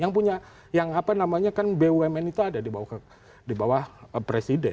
yang punya yang apa namanya kan bumn itu ada di bawah presiden